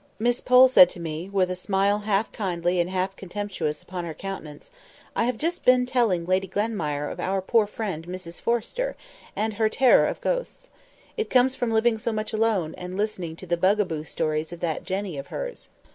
Miss Pole said to me, with a smile half kindly and half contemptuous upon her countenance, "I have been just telling Lady Glenmire of our poor friend Mrs Forrester, and her terror of ghosts. It comes from living so much alone, and listening to the bug a boo stories of that Jenny of hers."